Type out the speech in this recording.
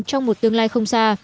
trong một tương lai không xa